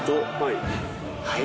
はい。